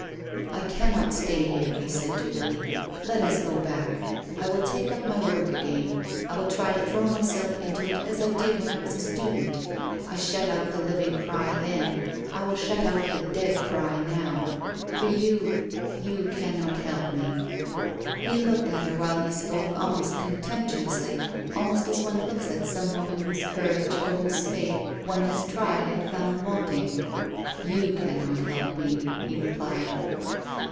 " I cannot stay here," he said to Lily. "IaI us go back. I will take up my work again. I will try to throw myself into it as I did when I was a student. I shut out the living cry then, I will shut out the dead cry now. I'^or you — you cannot help me." 232 TONGUES OF CONSCIENCE. He looked at her while he spoke almost con temptuously, almost as one looks at some woman whose courage or whose faith one has tried and found wanting. "You cannot help me," he repeated.